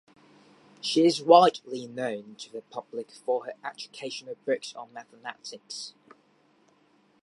She is widely known to the public for her educational books on mathematics.